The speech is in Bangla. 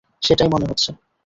সেটাই মনে হচ্ছে।